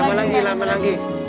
nambah lagi nambah lagi